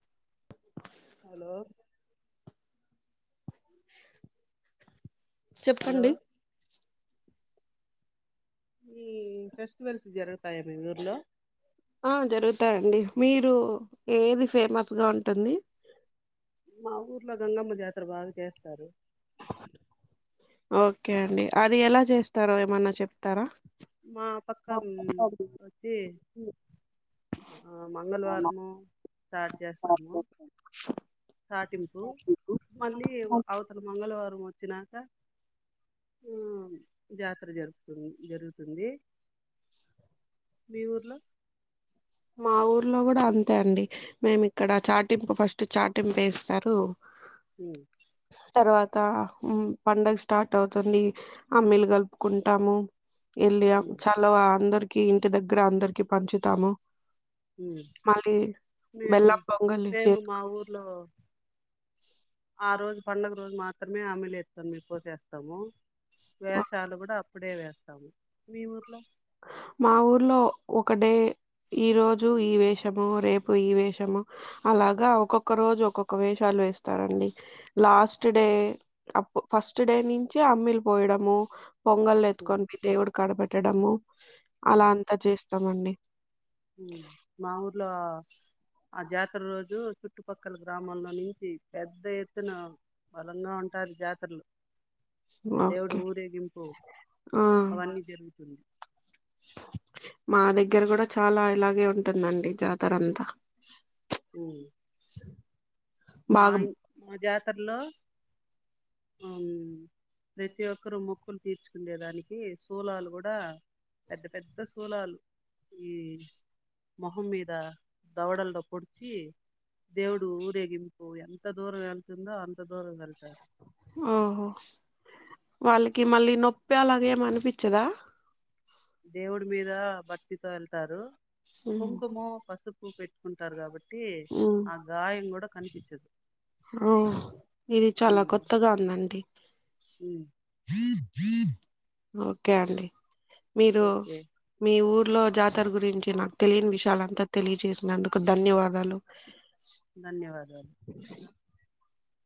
[inaudible] Hello hello చెప్పండి. ఈ festivals జరుగుతాయా మీ ఊర్లో? ఆ జరుగుతాయండి మీరు ఏది ఫేమస్ గా ఉంటుంది. మా ఊర్లో గంగమ్మ జాతర బాగా చేస్తారు. అ ఓకే అండి అది ఎలా చేస్తారో ఏమన్నా చెప్తారా? మా పక్క వచ్చి ఆ మంగళవారము స్టార్ట్ చేస్తాము స్టార్టింగ్ మళ్ళీ అవతల మంగళ వారు వచ్చినాక జాతర జరుగుతుంది జరుగు ఉంటుంది మీ ఊర్లో మా ఊర్లో కూడా అంతే అండి మేం ఇక్కడ చాటింపు ఫస్ట్ చాటింపు వేస్తారు హ్మ్మ్ హ హ్మ్మ్ పండగ స్టార్ట్ అవుతుంది అమ్మీలు కలుపుకుంటాము. ఇలియా ఉమ్, చలవా అందరికి కి ఇంటి దగ్గర అందరికి పంచుతాము హ్మ్మ్ మళ్ళీ మేము బెల్లం పొంగలి మేము మా ఊర్లో ఆ చేస్తాము. రోజు పండగ రోజు మార్ [inaudible] వేషాలు కూడా ఇప్పుడే వేస్తాము మీ ఊర్లో మా ఊర్లో ఒక డే ఈ రోజు ఈ వేషము రేపు ఈ వేషము అలాగా ఒక్కొక్క రోజు ఒక్కొక్క వేషాలు వేస్తారండి లాస్ట్ డే ఫస్ట్ డే నుంచి అమ్మిలు పోయడము పొంగల్ ఉమ్, ఎత్కొని దేవుడు ఆడబెట్టడము అలా అంతా చేస్త ఆ మమ్మీ మ్ మా ఊర్లా ఆ జాతర రోజు చు చుట్టుపక్కల గ్రామాల్లో నుంచి పెద్ద ఎత్తునా బలంగా ఉంటారు జాతర్లో ఓకే ఆ అవన్నీ జరుగుతుంది మాదగ్గర ఇక్కడ కూడా చాలా ఇలాగే ఉంటుందండి జాతర అంతా మ్ మా బాగా ఇ మా జాతరలో మ్ ప్రతి ఒక్కరు ముక్కుంటారా తీర్చుకునేేదానికి సూలాలు కూడా పెద్ద పెద్ద సూలాలు ఈ మొహం మీద దవడల్లో పొడిచి దేవుడు ఊరేగి ఓ ఎంత దూరము వెళ్తుంద అంత ఓహో [unintelligible] వాళ్ళకి మళ్ళీ నొప్పే అలాగ ఏమి అనిపించదా దేవుడి మీద భక్తితో వెళ్తారు ఉమ్ కుంకుమ పసుపు పెట్టు ఉంటారు కాబట్టి పెట్టి ఆ గాయం కూడా కనిపిచ్చదు మ్ ఇది చాలా కొత్తగా ఉందండి ఉమ్, ఓకే అండి మీరు ఓకే మీ ఊరు ఇ లో జాతర గురించి నాకు తెలియని విషయాలు అంతా తెలియజేసినందుకు ధన్యవాదాలు ధన్యవాదాలు